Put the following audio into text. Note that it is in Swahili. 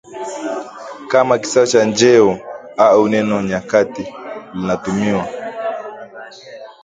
kama kisawe cha njeo, au neno nyakati linatumiwa